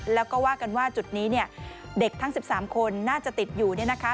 แล้วก็ว่ากันว่าจุดนี้เนี่ยเด็กทั้ง๑๓คนน่าจะติดอยู่เนี่ยนะคะ